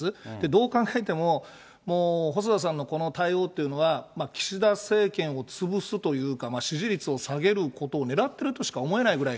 どう考えても、細田さんのこの対応というのは、岸田政権を潰すというか、支持率を下げることをねらってるとしか逆に。